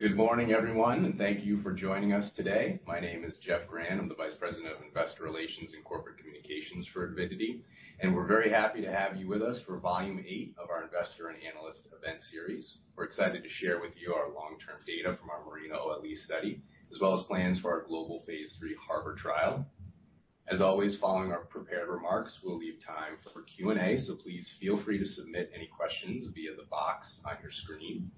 Good morning, everyone, and thank you for joining us today. My name is Geoffrey Grande. I'm the Vice President of Investor Relations and Corporate Communications for Avidity, and we're very happy to have you with us for Volume 8 of our Investor and Analyst Event Series. We're excited to share with you our long-term data from our MARINA-OLE study, as well as plans for our global Phase 3 HARBOR trial. As always, following our prepared remarks, we'll leave time for Q&A, so please feel free to submit any questions via the box on your screen.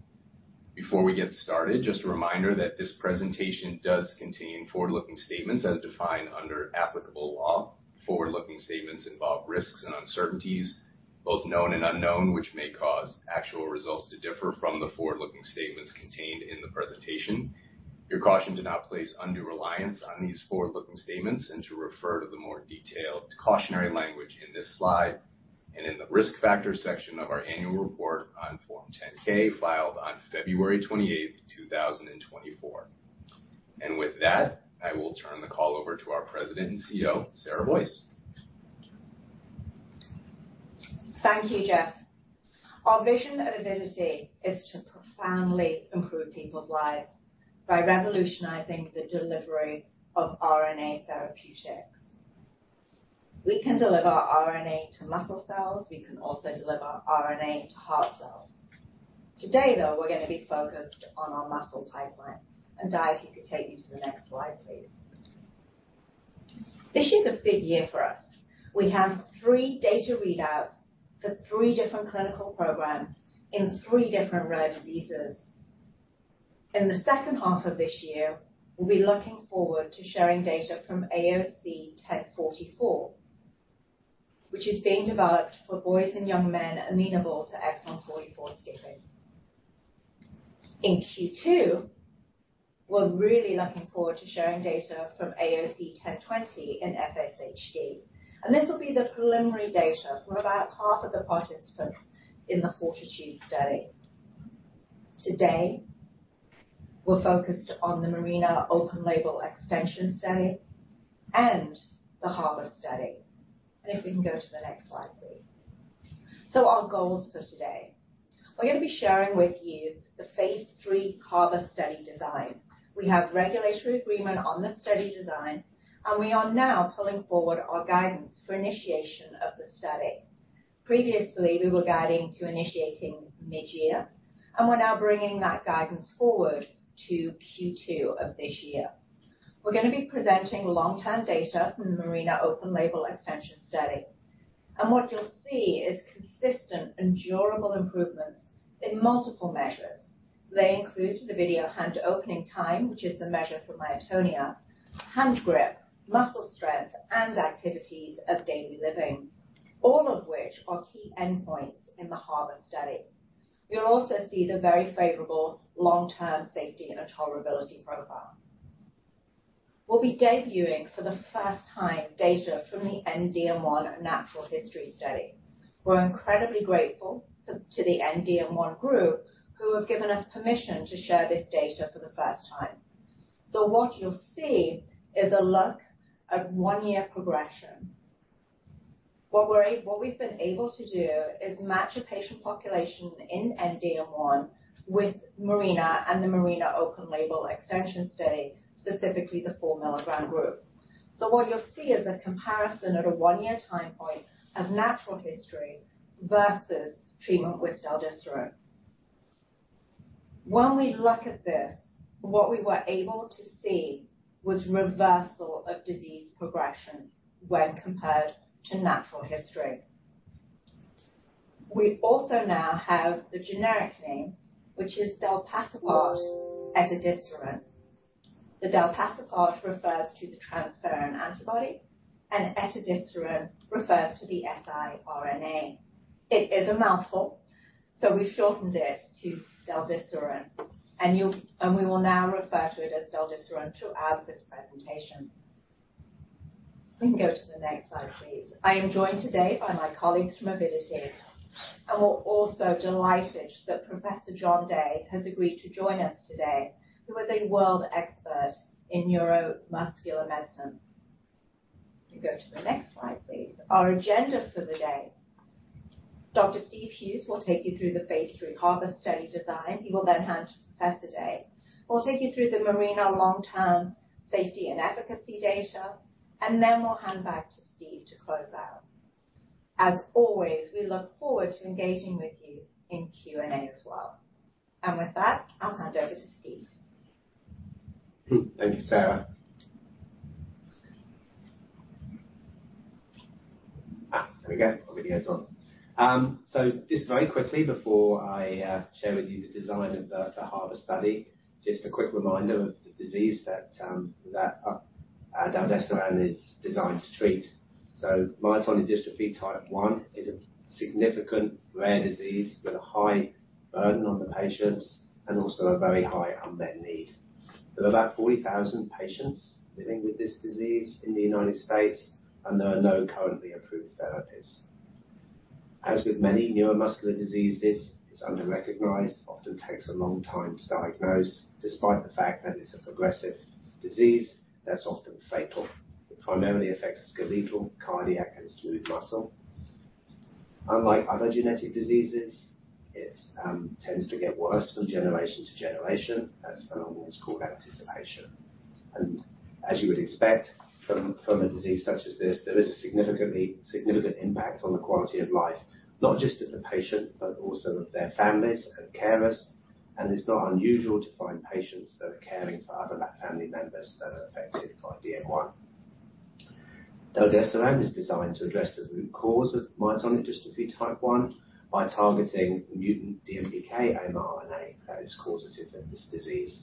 Before we get started, just a reminder that this presentation does contain forward-looking statements as defined under applicable law. Forward-looking statements involve risks and uncertainties, both known and unknown, which may cause actual results to differ from the forward-looking statements contained in the presentation. Your caution to not place undue reliance on these forward-looking statements and to refer to the more detailed cautionary language in this slide and in the risk factors section of our annual report on Form 10-K filed on February 28, 2024. With that, I will turn the call over to our President and CEO, Sarah Boyce. Thank you, Geoff. Our vision at Avidity is to profoundly improve people's lives by revolutionizing the delivery of RNA therapeutics. We can deliver RNA to muscle cells. We can also deliver RNA to heart cells. Today, though, we're going to be focused on our muscle pipeline. And, Dia, if you could take me to the next slide, please. This year's a big year for us. We have three data readouts for three different clinical programs in three different rare diseases. In the second half of this year, we'll be looking forward to sharing data from AOC 1044, which is being developed for boys and young men amenable to exon 44 skipping. In Q2, we're really looking forward to sharing data from AOC 1020 in FSHD, and this will be the preliminary data from about half of the participants in the FORTITUDE study. Today, we're focused on the MARINA Open Label Extension study and the HARBOR study. If we can go to the next slide, please. Our goals for today: we're going to be sharing with you the phase 3 HARBOR study design. We have regulatory agreement on the study design, and we are now pulling forward our guidance for initiation of the study. Previously, we were guiding to initiating mid-year, and we're now bringing that guidance forward to Q2 of this year. We're going to be presenting long-term data from the MARINA Open Label Extension study, and what you'll see is consistent and durable improvements in multiple measures. They include the video hand opening time, which is the measure for myotonia, hand grip, muscle strength, and activities of daily living, all of which are key endpoints in the HARBOR study. You'll also see the very favorable long-term safety and tolerability profile. We'll be debuting for the first time data from the END-DM1 natural history study. We're incredibly grateful to the END-DM1 group who have given us permission to share this data for the first time. So what you'll see is a look at one-year progression. What we've been able to do is match a patient population in END-DM1 with MARINA and the MARINA Open Label Extension study, specifically the four milligram group. So what you'll see is a comparison at a one-year time point of natural history versus treatment with del-desiran. When we look at this, what we were able to see was reversal of disease progression when compared to natural history. We also now have the generic name, which is delpacibart etedesiran. The delpacibart refers to the transferrin antibody, and etedesiran refers to the siRNA. It is a mouthful, so we've shortened it to del-desiran, and we will now refer to it as del-desiran throughout this presentation. We can go to the next slide, please. I am joined today by my colleagues from Avidity, and we're also delighted that Professor John Day has agreed to join us today, who is a world expert in neuromuscular medicine. We can go to the next slide, please. Our agenda for the day: Dr. Steve Hughes will take you through the phase 3 HARBOR study design. He will then hand to Professor Day. We'll take you through the MARINA long-term safety and efficacy data, and then we'll hand back to Steve to close out. As always, we look forward to engaging with you in Q&A as well. And with that, I'll hand over to Steve. Thank you, Sarah. There we go. Our video's on. So just very quickly before I share with you the design of the HARBOR study, just a quick reminder of the disease that del-desiran is designed to treat. So myotonic dystrophy Type 1 is a significant rare disease with a high burden on the patients and also a very high unmet need. There are about 40,000 patients living with this disease in the United States, and there are no currently approved therapies. As with many neuromuscular diseases, it's underrecognized, often takes a long time to diagnose, despite the fact that it's a progressive disease that's often fatal. It primarily affects skeletal, cardiac, and smooth muscle. Unlike other genetic diseases, it tends to get worse from generation to generation. That phenomenon is called anticipation. As you would expect from a disease such as this, there is a significantly significant impact on the quality of life, not just of the patient but also of their families and carers, and it's not unusual to find patients that are caring for other family members that are affected by DM1. Del-desiran is designed to address the root cause of myotonic dystrophy type 1 by targeting mutant DMPK mRNA that is causative of this disease.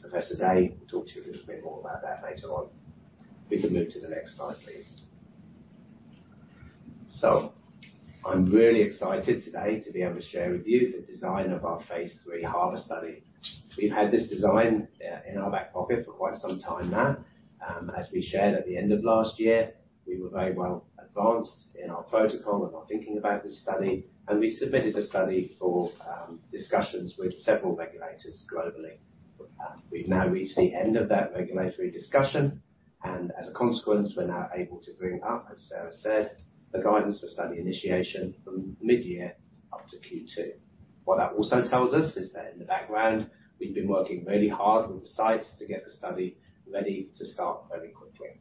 Professor Day will talk to you a little bit more about that later on. We can move to the next slide, please. I'm really excited today to be able to share with you the design of our phase 3 HARBOR study. We've had this design in our back pocket for quite some time now. As we shared at the end of last year, we were very well advanced in our protocol and our thinking about this study, and we submitted the study for discussions with several regulators globally. We've now reached the end of that regulatory discussion, and as a consequence, we're now able to bring up, as Sarah said, the guidance for study initiation from mid-year up to Q2. What that also tells us is that in the background, we've been working really hard with the sites to get the study ready to start very quickly.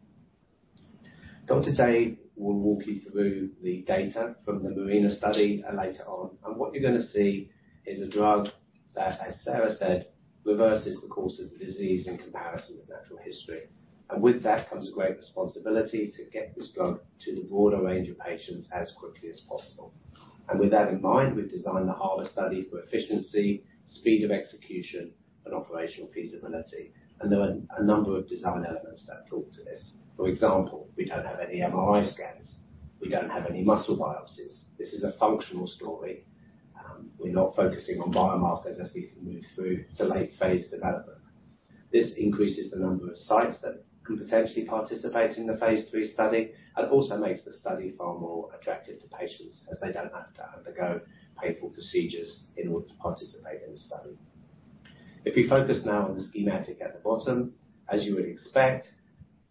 Dr. Day will walk you through the data from the MARINA study later on, and what you're going to see is a drug that, as Sarah said, reverses the course of the disease in comparison with natural history. With that comes a great responsibility to get this drug to the broader range of patients as quickly as possible. With that in mind, we've designed the HARBOR study for efficiency, speed of execution, and operational feasibility, and there are a number of design elements that talk to this. For example, we don't have any MRI scans. We don't have any muscle biopsies. This is a functional story. We're not focusing on biomarkers as we move through to late-phase development. This increases the number of sites that can potentially participate in the Phase 3 study and also makes the study far more attractive to patients as they don't have to undergo painful procedures in order to participate in the study. If we focus now on the schematic at the bottom, as you would expect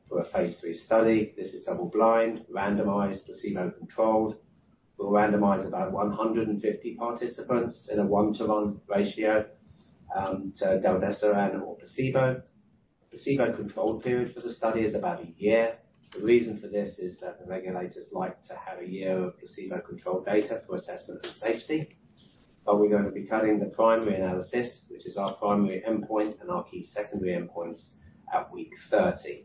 for a Phase 3 study, this is double-blind, randomized, placebo-controlled. We'll randomize about 150 participants in a 1:1 ratio, to del-desiran or placebo. The placebo-controlled period for the study is about a year. The reason for this is that the regulators like to have a year of placebo-controlled data for assessment of safety, but we're going to be cutting the primary analysis, which is our primary endpoint, and our key secondary endpoints at week 30.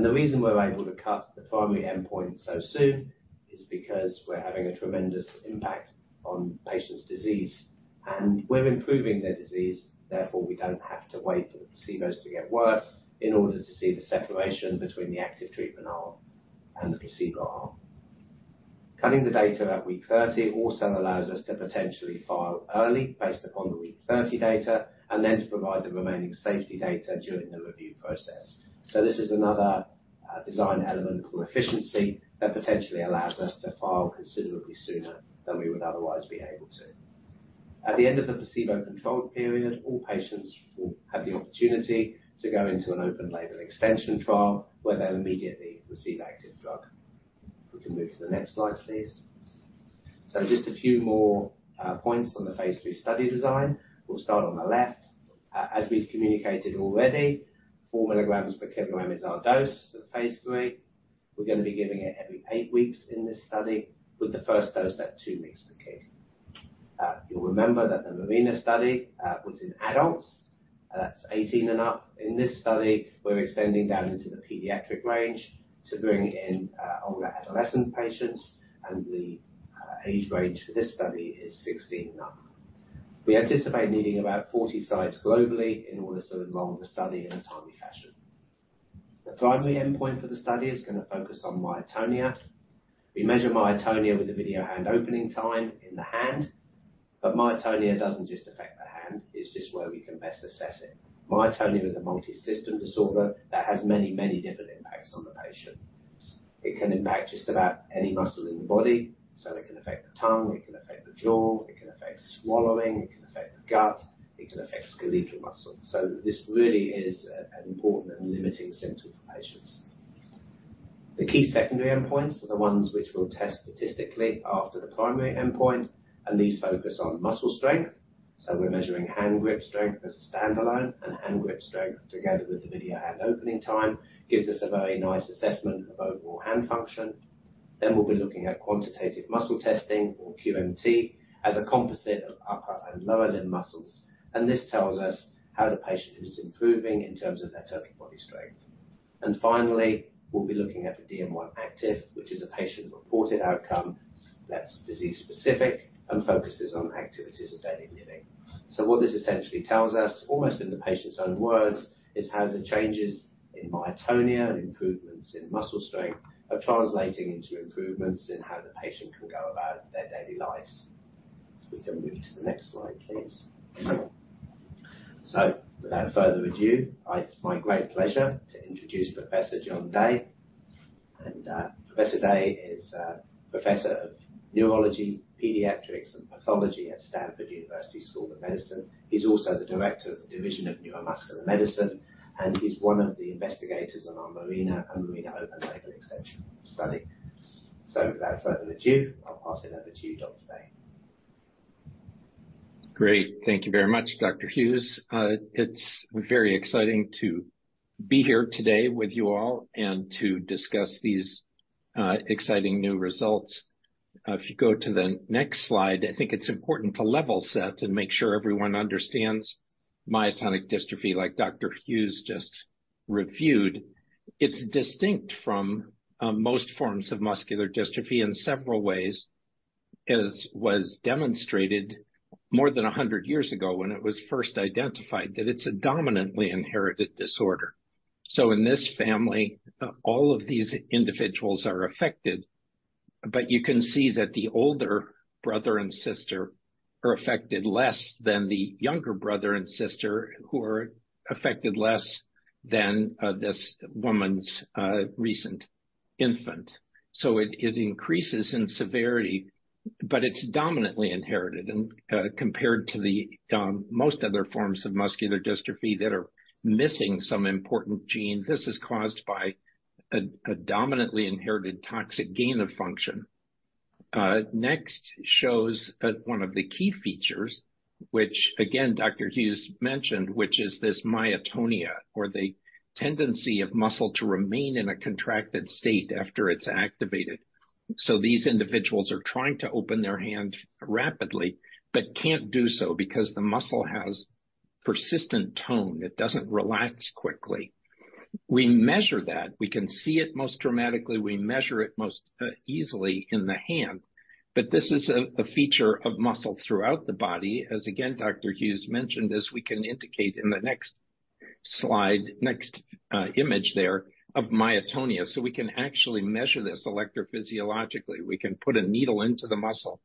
The reason we're able to cut the primary endpoint so soon is because we're having a tremendous impact on patients' disease, and we're improving their disease. Therefore, we don't have to wait for the placebos to get worse in order to see the separation between the active treatment arm and the placebo arm. Cutting the data at week 30 also allows us to potentially file early based upon the week 30 data and then to provide the remaining safety data during the review process. So this is another design element called efficiency that potentially allows us to file considerably sooner than we would otherwise be able to. At the end of the placebo-controlled period, all patients will have the opportunity to go into an open label extension trial where they'll immediately receive active drug. We can move to the next slide, please. So just a few more points on the Phase 3 study design. We'll start on the left. As we've communicated already, 4 milligrams per kg is our dose for Phase 3. We're going to be giving it every 8 weeks in this study, with the first dose at two weeks apart. You'll remember that the MARINA study was in adults. That's 18 and up. In this study, we're extending down into the pediatric range to bring in older adolescent patients, and the age range for this study is 16 and up. We anticipate needing about 40 sites globally in order to enroll the study in a timely fashion. The primary endpoint for the study is going to focus on myotonia. We measure myotonia with the video hand opening time in the hand, but myotonia doesn't just affect the hand. It's just where we can best assess it. Myotonia is a multi-system disorder that has many, many different impacts on the patient. It can impact just about any muscle in the body, so it can affect the tongue, it can affect the jaw, it can affect swallowing, it can affect the gut, it can affect skeletal muscle. So this really is an important and limiting symptom for patients. The key secondary endpoints are the ones which we'll test statistically after the primary endpoint, and these focus on muscle strength. So we're measuring hand grip strength as a standalone, and hand grip strength together with the video hand opening time gives us a very nice assessment of overall hand function. Then we'll be looking at quantitative muscle testing, or QMT, as a composite of upper and lower limb muscles, and this tells us how the patient is improving in terms of their total body strength. And finally, we'll be looking at the DM1-Activ, which is a patient-reported outcome that's disease-specific and focuses on activities of daily living. So what this essentially tells us, almost in the patient's own words, is how the changes in myotonia and improvements in muscle strength are translating into improvements in how the patient can go about their daily lives. We can move to the next slide, please. So without further ado, it's my great pleasure to introduce Professor John Day. Professor Day is Professor of Neurology, Pediatrics, and Pathology at Stanford University School of Medicine. He's also the Director of the Division of Neuromuscular Medicine, and he's one of the investigators on our MARINA and MARINA Open Label Extension study. So without further ado, I'll pass it over to you, Dr. Day. Great. Thank you very much, Dr. Hughes. It's very exciting to be here today with you all and to discuss these exciting new results. If you go to the next slide, I think it's important to level set and make sure everyone understands myotonic dystrophy, like Dr. Hughes just reviewed. It's distinct from most forms of muscular dystrophy in several ways, as was demonstrated more than 100 years ago when it was first identified, that it's a dominantly inherited disorder. So in this family, all of these individuals are affected, but you can see that the older brother and sister are affected less than the younger brother and sister who are affected less than this woman's recent infant. So it increases in severity, but it's dominantly inherited. Compared to most other forms of muscular dystrophy that are missing some important gene, this is caused by a dominantly inherited toxic gain of function. Next shows one of the key features, which again Dr. Hughes mentioned, which is this myotonia, or the tendency of muscle to remain in a contracted state after it's activated. So these individuals are trying to open their hand rapidly but can't do so because the muscle has persistent tone. It doesn't relax quickly. We measure that. We can see it most dramatically. We measure it most easily in the hand, but this is a feature of muscle throughout the body, as again Dr. Hughes mentioned, as we can indicate in the next slide, next image there of myotonia. So we can actually measure this electrophysiologically. We can put a needle into the muscle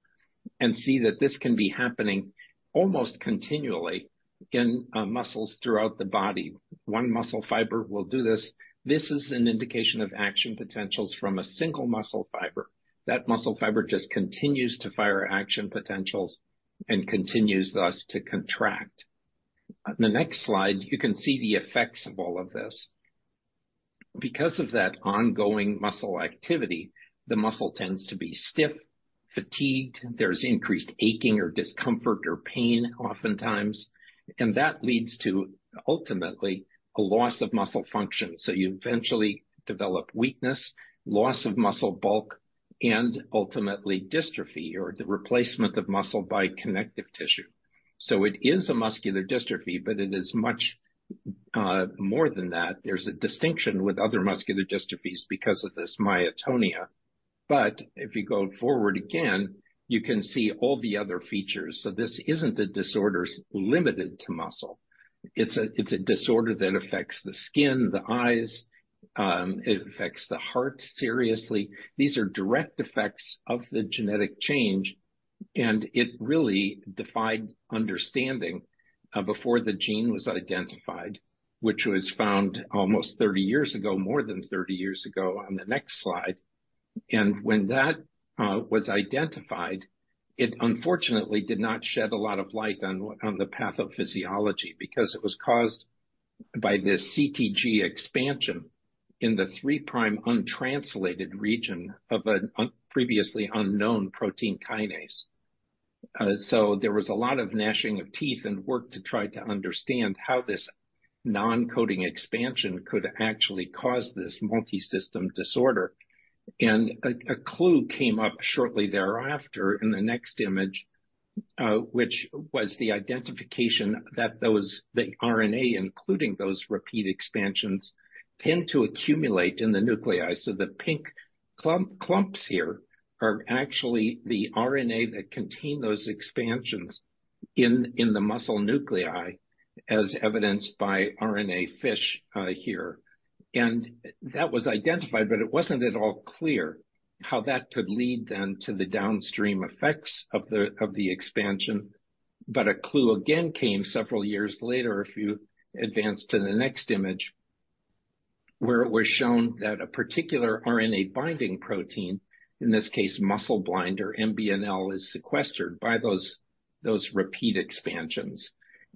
and see that this can be happening almost continually in muscles throughout the body. One muscle fiber will do this. This is an indication of action potentials from a single muscle fiber. That muscle fiber just continues to fire action potentials and continues thus to contract. On the next slide, you can see the effects of all of this. Because of that ongoing muscle activity, the muscle tends to be stiff, fatigued. There's increased aching or discomfort or pain oftentimes, and that leads to, ultimately, a loss of muscle function. So you eventually develop weakness, loss of muscle bulk, and ultimately dystrophy or the replacement of muscle by connective tissue. So it is a muscular dystrophy, but it is much more than that. There's a distinction with other muscular dystrophies because of this myotonia. But if you go forward again, you can see all the other features. So this isn't a disorder limited to muscle. It's a it's a disorder that affects the skin, the eyes. It affects the heart seriously. These are direct effects of the genetic change, and it really defied understanding before the gene was identified, which was found almost 30 years ago, more than 30 years ago on the next slide. And when that was identified, it unfortunately did not shed a lot of light on the pathophysiology because it was caused by this CTG expansion in the 3' untranslated region of an un previously unknown protein kinase. So there was a lot of gnashing of teeth and work to try to understand how this non-coding expansion could actually cause this multi-system disorder. A clue came up shortly thereafter in the next image, which was the identification that the RNA, including those repeat expansions, tend to accumulate in the nuclei. So the pink clumps here are actually the RNA that contain those expansions in the muscle nuclei, as evidenced by RNA FISH here. And that was identified, but it wasn't at all clear how that could lead then to the downstream effects of the expansion. But a clue, again, came several years later if you advance to the next image, where it was shown that a particular RNA binding protein, in this case, Muscleblind or MBNL, is sequestered by those repeat expansions.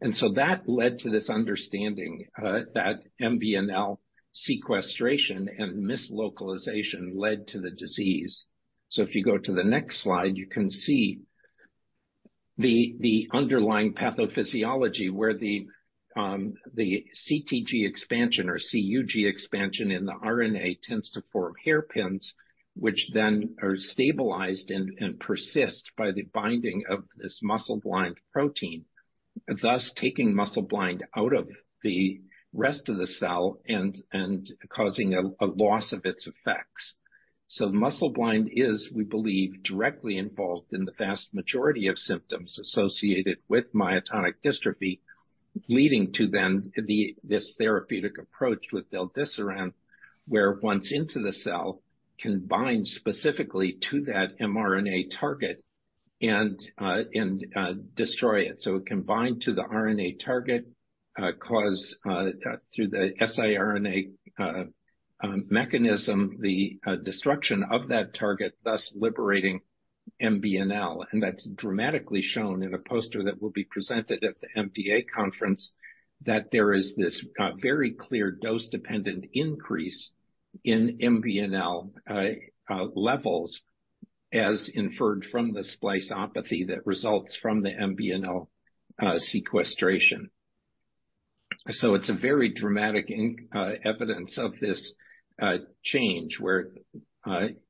And so that led to this understanding, that MBNL sequestration and mislocalization led to the disease. So if you go to the next slide, you can see the underlying pathophysiology where the CTG expansion or CUG expansion in the RNA tends to form hairpins, which then are stabilized and persist by the binding of this muscleblind protein, thus taking muscleblind out of the rest of the cell and causing a loss of its effects. So muscleblind is, we believe, directly involved in the vast majority of symptoms associated with myotonic dystrophy, leading to then the this therapeutic approach with del-desiran where once into the cell, can bind specifically to that mRNA target and destroy it. So it can bind to the RNA target, cause through the siRNA mechanism the destruction of that target, thus liberating MBNL. That's dramatically shown in a poster that will be presented at the MDA conference, that there is this very clear dose-dependent increase in MBNL levels as inferred from the splicopathy that results from the MBNL sequestration. So it's a very dramatic evidence of this change where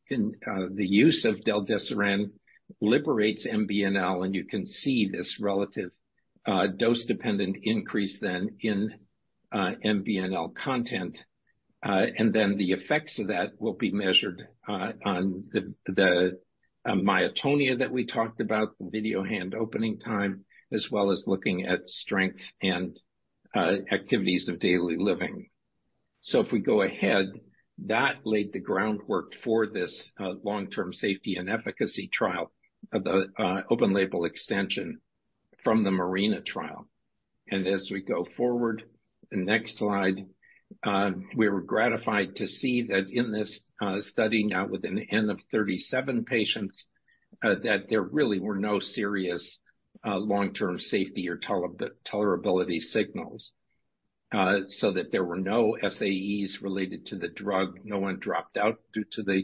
in the use of del-desiran liberates MBNL, and you can see this relative dose-dependent increase then in MBNL content. And then the effects of that will be measured on the myotonia that we talked about, the video hand opening time, as well as looking at strength and activities of daily living. So if we go ahead, that laid the groundwork for this long-term safety and efficacy trial of the open label extension from the MARINA trial. As we go forward, the next slide, we were gratified to see that in this study, now with an N of 37 patients, that there really were no serious, long-term safety or tolerability signals. That there were no SAEs related to the drug. No one dropped out due to the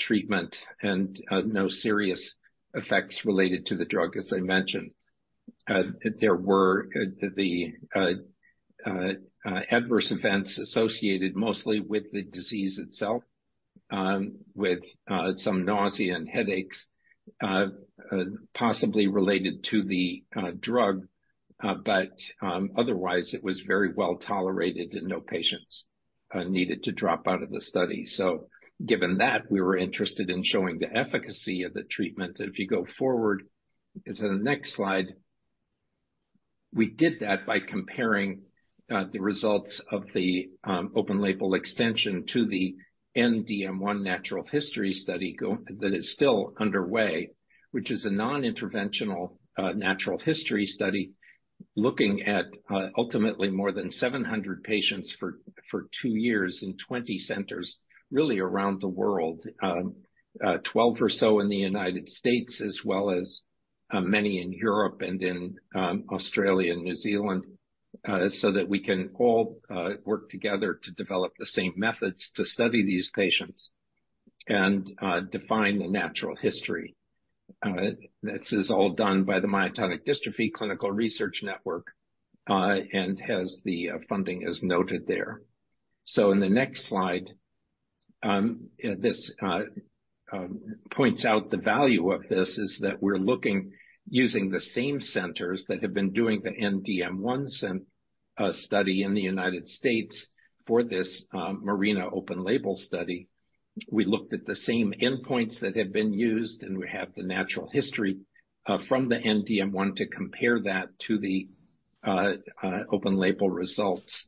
treatment and no serious effects related to the drug, as I mentioned. There were the adverse events associated mostly with the disease itself, with some nausea and headaches, possibly related to the drug. Otherwise, it was very well tolerated, and no patients needed to drop out of the study. Given that, we were interested in showing the efficacy of the treatment. If you go forward to the next slide, we did that by comparing the results of the open label extension to the END-DM1 natural history study that is still underway, which is a non-interventional natural history study looking at ultimately more than 700 patients for 2 years in 20 centers really around the world, 12 or so in the United States, as well as many in Europe and in Australia and New Zealand, so that we can all work together to develop the same methods to study these patients and define the natural history. This is all done by the Myotonic Dystrophy Clinical Research Network, and has the funding as noted there. So in the next slide, this points out the value of this is that we're looking using the same centers that have been doing the END-DM1 natural history study in the United States for this MARINA open label study. We looked at the same endpoints that have been used, and we have the natural history from the END-DM1 to compare that to the open label results.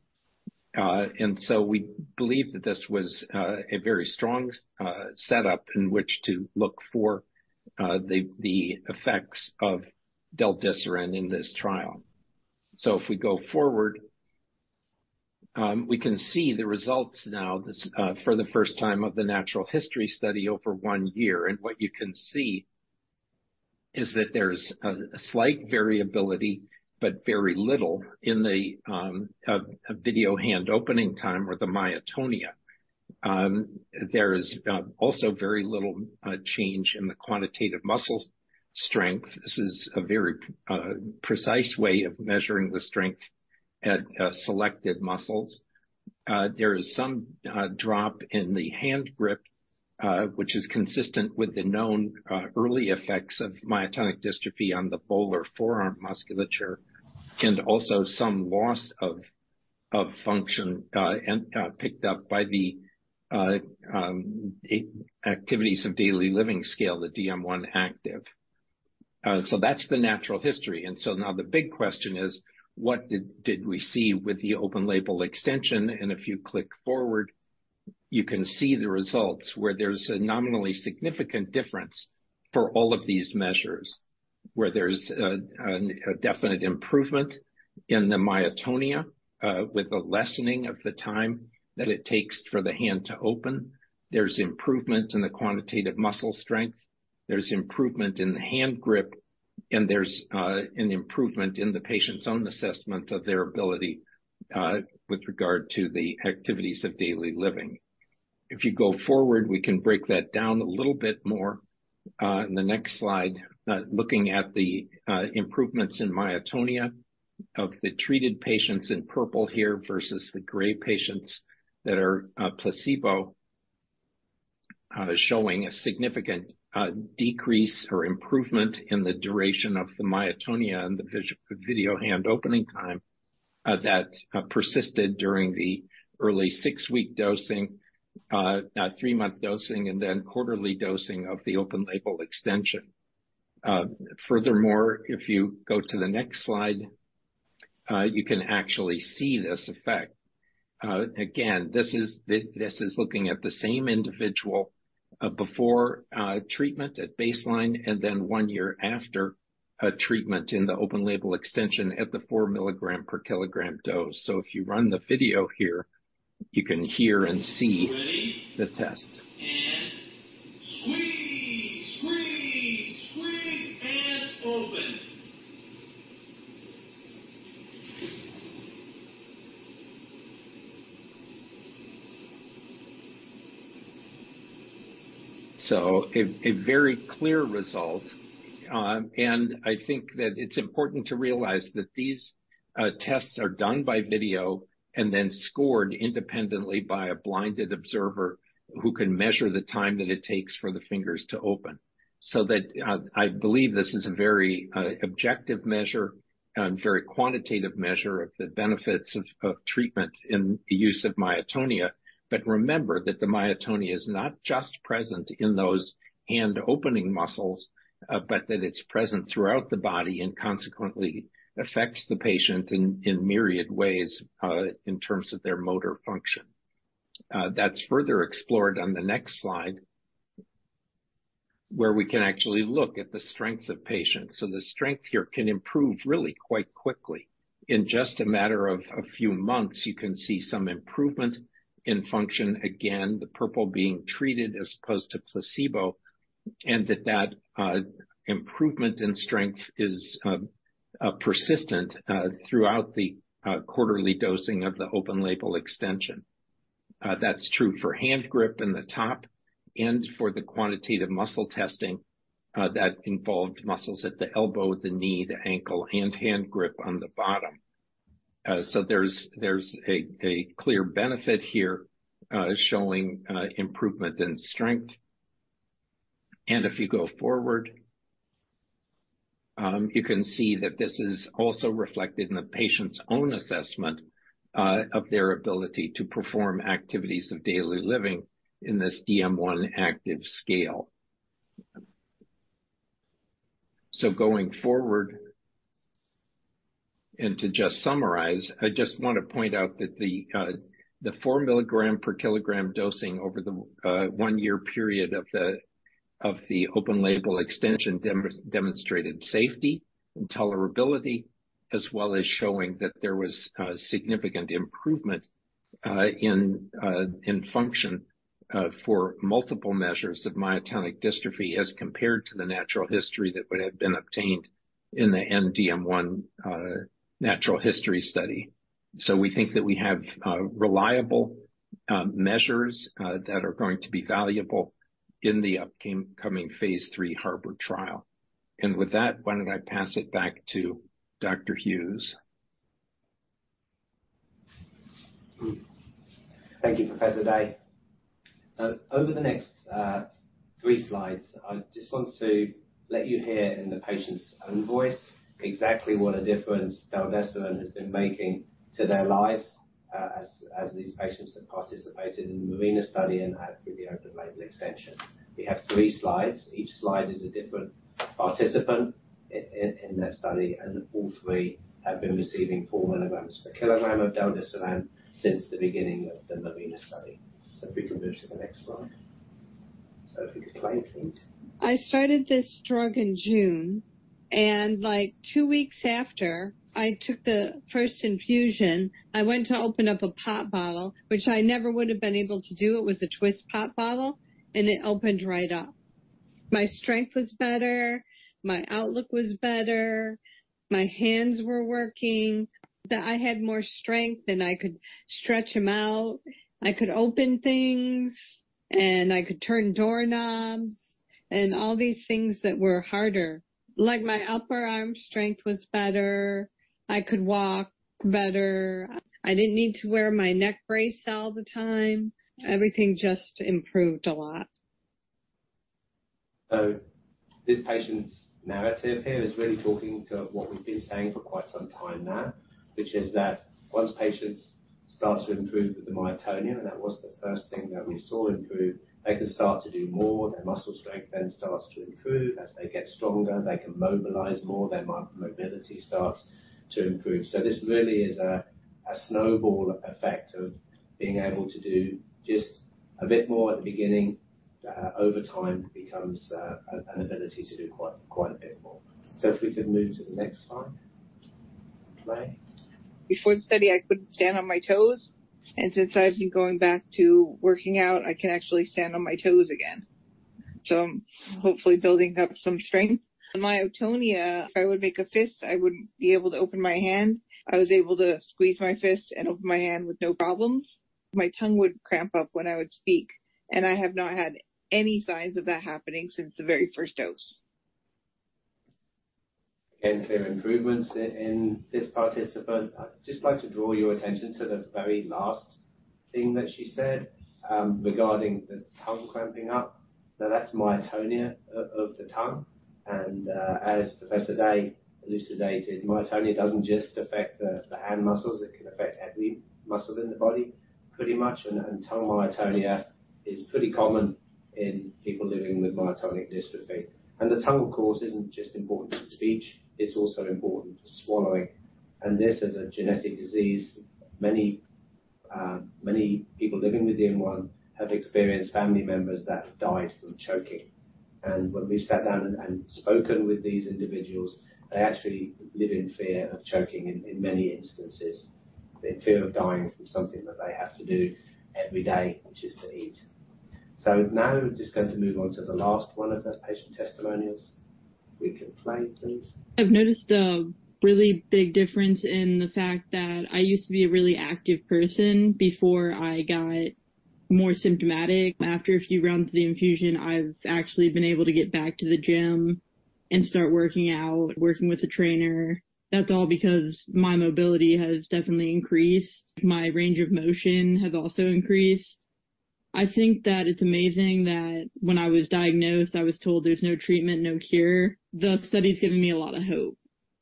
So we believe that this was a very strong setup in which to look for the effects of del-desiran in this trial. So if we go forward, we can see the results now for the first time of the natural history study over one year. And what you can see is that there's a slight variability but very little in the video hand opening time or the myotonia. There is also very little change in the quantitative muscle strength. This is a very precise way of measuring the strength at selected muscles. There is some drop in the hand grip, which is consistent with the known early effects of myotonic dystrophy on the volar forearm musculature and also some loss of function picked up by the activities of daily living scale, the DM1-Activ. So that's the natural history. So now the big question is, what did we see with the open label extension? If you click forward, you can see the results where there's a nominally significant difference for all of these measures, where there's a definite improvement in the myotonia, with a lessening of the time that it takes for the hand to open. There's improvement in the quantitative muscle strength. There's improvement in the hand grip. There's an improvement in the patient's own assessment of their ability with regard to the activities of daily living. If you go forward, we can break that down a little bit more in the next slide, looking at the improvements in myotonia of the treated patients in purple here versus the gray patients that are placebo, showing a significant decrease or improvement in the duration of the myotonia and the video hand opening time that persisted during the early 6-week dosing, 3-month dosing, and then quarterly dosing of the open label extension. Furthermore, if you go to the next slide, you can actually see this effect. Again, this is looking at the same individual before treatment at baseline and then 1 year after treatment in the open label extension at the 4 mg/kg dose. So if you run the video here, you can hear and see the test. And squeeze, squeeze, squeeze, and open. So, a very clear result. I think that it's important to realize that these tests are done by video and then scored independently by a blinded observer who can measure the time that it takes for the fingers to open. So, I believe this is a very objective measure and very quantitative measure of the benefits of treatment in the use of myotonia. But remember that the myotonia is not just present in those hand opening muscles, but that it's present throughout the body and consequently affects the patient in myriad ways, in terms of their motor function. That's further explored on the next slide where we can actually look at the strength of patients. So the strength here can improve really quite quickly. In just a matter of a few months, you can see some improvement in function, again, the purple being treated as opposed to placebo, and that improvement in strength is persistent throughout the quarterly dosing of the open label extension. That's true for hand grip in the top and for the quantitative muscle testing that involved muscles at the elbow, the knee, the ankle, and hand grip on the bottom. So there's a clear benefit here, showing improvement in strength. And if you go forward, you can see that this is also reflected in the patient's own assessment of their ability to perform activities of daily living in this DM1-Activ scale. So going forward, and to just summarize, I just want to point out that the 4 mg per kg dosing over the 1-year period of the open label extension demonstrated safety and tolerability, as well as showing that there was significant improvement in function for multiple measures of myotonic dystrophy as compared to the natural history that would have been obtained in the END-DM1 natural history study. So we think that we have reliable measures that are going to be valuable in the upcoming phase 3 HARBOR trial. And with that, why don't I pass it back to Dr. Hughes? Thank you, Professor Day. So over the next three slides, I just want to let you hear in the patient's own voice exactly what a difference del-desiran has been making to their lives, as these patients have participated in the MARINA study and through the open-label extension. We have three slides. Each slide is a different participant in that study. And all three have been receiving four milligrams per kg of del-desiran since the beginning of the MARINA study. So if we can move to the next slide. So if you could play, please. I started this drug in June. And like two weeks after, I took the first infusion. I went to open up a pop bottle, which I never would have been able to do. It was a twist pop bottle. And it opened right up. My strength was better. My outlook was better. My hands were working. I had more strength, and I could stretch them out. I could open things. And I could turn doorknobs and all these things that were harder. Like my upper arm strength was better. I could walk better. I didn't need to wear my neck brace all the time. Everything just improved a lot. So this patient's narrative here is really talking to what we've been saying for quite some time now, which is that once patients start to improve with the myotonia, and that was the first thing that we saw improve, they can start to do more. Their muscle strength then starts to improve. As they get stronger, they can mobilize more. Their mobility starts to improve. So this really is a snowball effect of being able to do just a bit more at the beginning. Over time, it becomes an ability to do quite, quite a bit more. So if we could move to the next slide. Play. Before the study, I couldn't stand on my toes. And since I've been going back to working out, I can actually stand on my toes again. So I'm hopefully building up some strength. Myotonia, if I would make a fist, I wouldn't be able to open my hand. I was able to squeeze my fist and open my hand with no problems. My tongue would cramp up when I would speak. And I have not had any signs of that happening since the very first dose. Again, clear improvements in this participant. I'd just like to draw your attention to the very last thing that she said, regarding the tongue cramping up. Now, that's myotonia of the tongue. As Professor Day elucidated, myotonia doesn't just affect the hand muscles. It can affect every muscle in the body pretty much. And tongue myotonia is pretty common in people living with myotonic dystrophy. And the tongue, of course, isn't just important for speech. It's also important for swallowing. And this is a genetic disease. Many people living with DM1 have experienced family members that have died from choking. And when we've sat down and spoken with these individuals, they actually live in fear of choking, in many instances, in fear of dying from something that they have to do every day, which is to eat. So now we're just going to move on to the last one of the patient testimonials. If we can play, please. I've noticed a really big difference in the fact that I used to be a really active person before I got more symptomatic. After a few rounds of the infusion, I've actually been able to get back to the gym and start working out, working with a trainer. That's all because my mobility has definitely increased. My range of motion has also increased. I think that it's amazing that when I was diagnosed, I was told there's no treatment, no cure. The study's given me a lot of hope.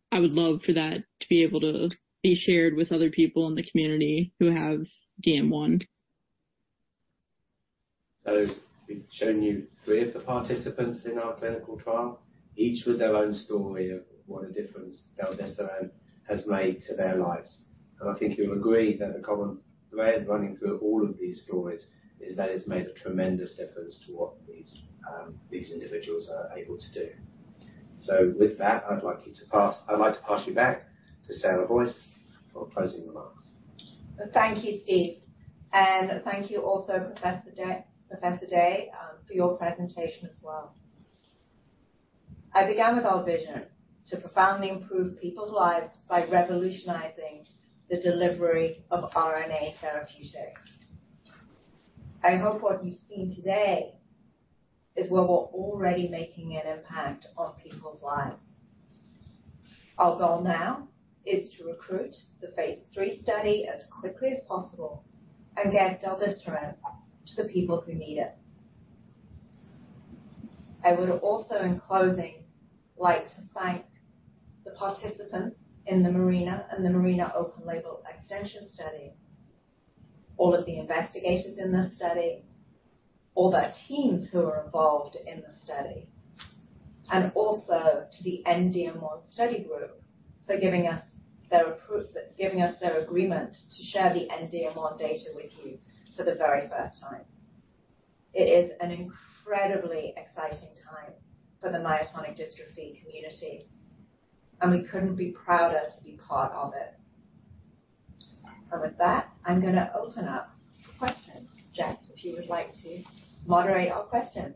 I would love for that to be able to be shared with other people in the community who have DM1. So we've shown you three of the participants in our clinical trial, each with their own story of what a difference del-desiran has made to their lives. I think you'll agree that the common thread running through all of these stories is that it's made a tremendous difference to what these, these individuals are able to do. So with that, I'd like you to pass I'd like to pass you back to Sarah Boyce for closing remarks. Thank you, Steve. And thank you also, Professor Day, Professor Day, for your presentation as well. I began with our vision to profoundly improve people's lives by revolutionizing the delivery of RNA therapeutics. I hope what you've seen today is what we're already making an impact on people's lives. Our goal now is to recruit the phase 3 study as quickly as possible and get del-desiran to the people who need it. I would also, in closing, like to thank the participants in the MARINA and the MARINA open-label extension study, all of the investigators in this study, all the teams who are involved in the study, and also to the END-DM1 study group for giving us their approval, giving us their agreement to share the END-DM1 data with you for the very first time. It is an incredibly exciting time for the myotonic dystrophy community. We couldn't be prouder to be part of it. With that, I'm going to open up for questions. Jack, if you would like to moderate our questions.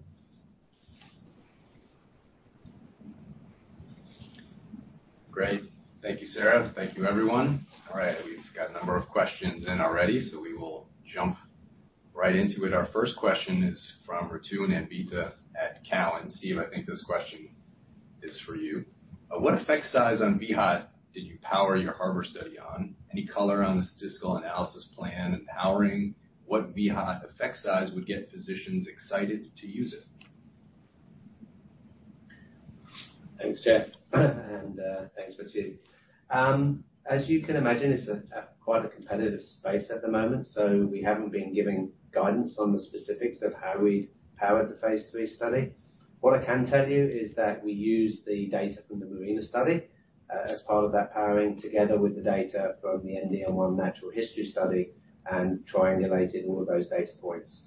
Great. Thank you, Sarah. Thank you, everyone. All right. We've got a number of questions in already, so we will jump right into it. Our first question is from Ritu and Anvita at Cowen. Steve, I think this question is for you. What effect size on VHOT did you power your HARBOR study on? Any color on the statistical analysis plan empowering what VHOT effect size would get physicians excited to use it? Thanks, Jack. And, thanks for two. As you can imagine, it's a quite competitive space at the moment. So we haven't been giving guidance on the specifics of how we'd powered the phase 3 study. What I can tell you is that we used the data from the MARINA study, as part of that powering together with the data from the END-DM1 natural history study and triangulated all of those data points.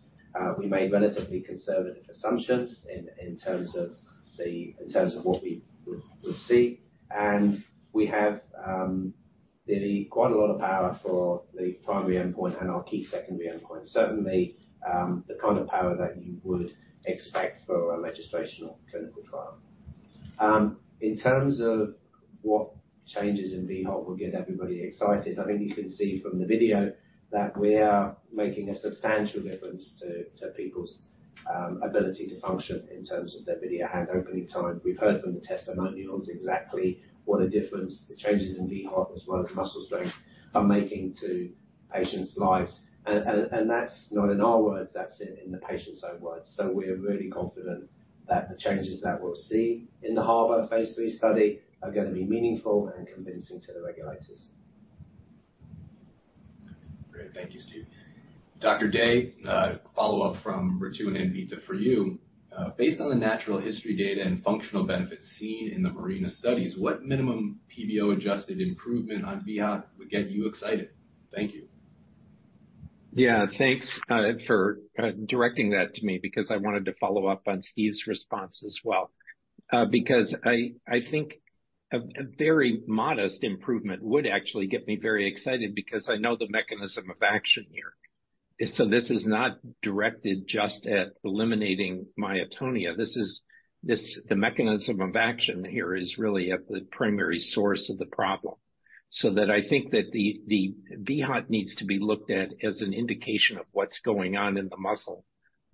We made relatively conservative assumptions in terms of what we would see. And we have really quite a lot of power for the primary endpoint and our key secondary endpoint, certainly the kind of power that you would expect for a registrational clinical trial. In terms of what changes in VHOT will get everybody excited, I think you can see from the video that we are making a substantial difference to people's ability to function in terms of their video hand opening time. We've heard from the testimonials exactly what a difference the changes in VHOT as well as muscle strength are making to patients' lives. And, and, and that's not in our words. That's in the patient's own words. So we're really confident that the changes that we'll see in the HARBOR phase 3 study are going to be meaningful and convincing to the regulators. Great. Thank you, Steve. Dr. Day, follow-up from Ritu and Anvita for you. Based on the natural history data and functional benefits seen in the MARINA studies, what minimum PBO-adjusted improvement on VHOT would get you excited? Thank you. Yeah. Thanks for directing that to me because I wanted to follow up on Steve's response as well because I think a very modest improvement would actually get me very excited because I know the mechanism of action here. So this is not directed just at eliminating myotonia. This is the mechanism of action here is really at the primary source of the problem. So that I think that the VHOT needs to be looked at as an indication of what's going on in the muscle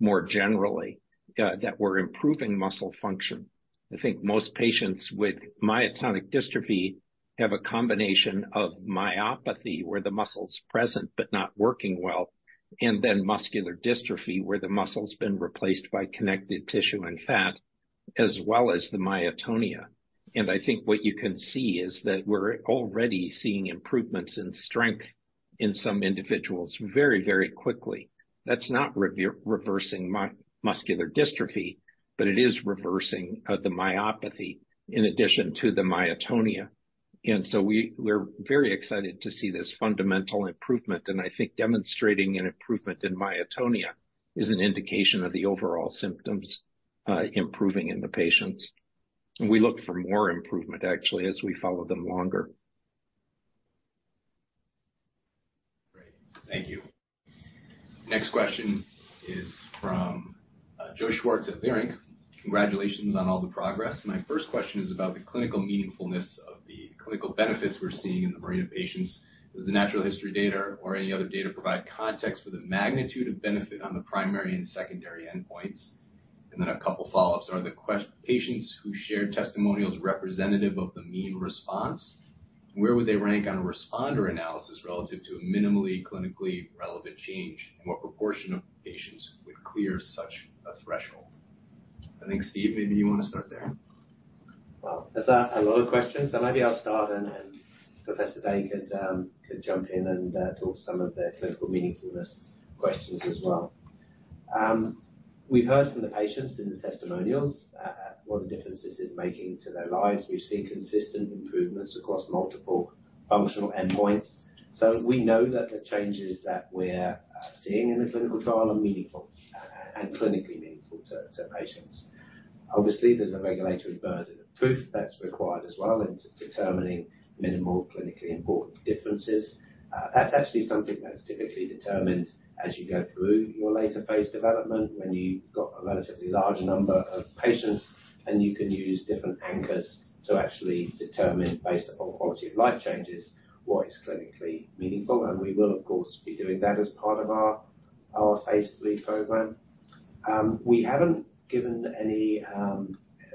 more generally, that we're improving muscle function. I think most patients with myotonic dystrophy have a combination of myopathy where the muscle's present but not working well, and then muscular dystrophy where the muscle's been replaced by connective tissue and fat, as well as the myotonia. And I think what you can see is that we're already seeing improvements in strength in some individuals very, very quickly. That's not reversing muscular dystrophy, but it is reversing the myopathy in addition to the myotonia. And so we're very excited to see this fundamental improvement. And I think demonstrating an improvement in myotonia is an indication of the overall symptoms improving in the patients. And we look for more improvement, actually, as we follow them longer. Great. Thank you. Next question is from Joe Schwartz at Leerink. Congratulations on all the progress. My first question is about the clinical meaningfulness of the clinical benefits we're seeing in the MARINA patients. Does the natural history data or any other data provide context for the magnitude of benefit on the primary and secondary endpoints? And then a couple follow-ups. Are the MARINA patients who shared testimonials representative of the mean response? And where would they rank on a responder analysis relative to a minimally clinically relevant change? And what proportion of patients would clear such a threshold? I think, Steve, maybe you want to start there. Well, there's a lot of questions. So maybe I'll start and Professor Day could jump in and talk some of the clinical meaningfulness questions as well. We've heard from the patients in the testimonials what a difference this is making to their lives. We've seen consistent improvements across multiple functional endpoints. So we know that the changes that we're seeing in the clinical trial are meaningful, and clinically meaningful to patients. Obviously, there's a regulatory burden of proof that's required as well in determining minimal clinically important differences. That's actually something that's typically determined as you go through your later phase development when you've got a relatively large number of patients, and you can use different anchors to actually determine based upon quality of life changes what is clinically meaningful. And we will, of course, be doing that as part of our phase 3 program. We haven't given any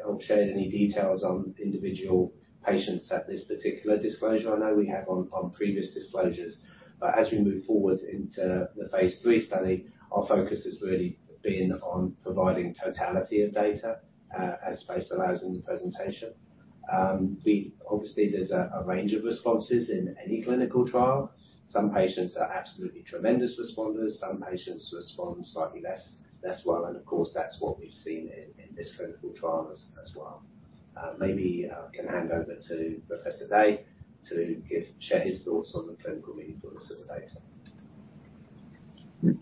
or shared any details on individual patients at this particular disclosure. I know we have on previous disclosures. But as we move forward into the phase 3 study, our focus has really been on providing totality of data, as space allows in the presentation. We obviously, there's a range of responses in any clinical trial. Some patients are absolutely tremendous responders. Some patients respond slightly less well. And of course, that's what we've seen in this clinical trial as well. Maybe I can hand over to Professor Day to share his thoughts on the clinical meaningfulness of the data.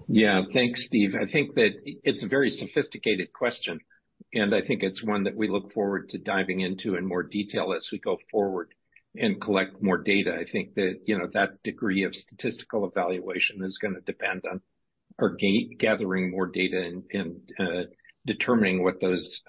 Yeah. Thanks, Steve. I think that it's a very sophisticated question. And I think it's one that we look forward to diving into in more detail as we go forward and collect more data. I think that, you know, that degree of statistical evaluation is going to depend on our gathering more data and determining what those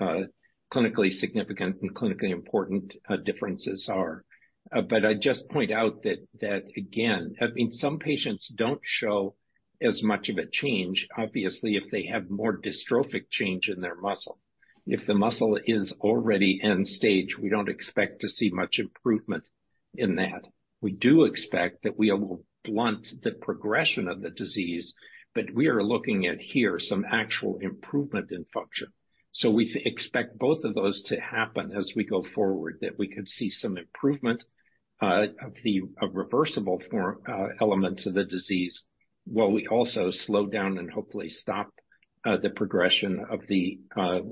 clinically significant and clinically important differences are. But I'd just point out that again, I mean, some patients don't show as much of a change, obviously, if they have more dystrophic change in their muscle. If the muscle is already end-stage, we don't expect to see much improvement in that. We do expect that we will blunt the progression of the disease. But we are looking at here some actual improvement in function. So we expect both of those to happen as we go forward, that we could see some improvement of the reversible form elements of the disease while we also slow down and hopefully stop the progression of the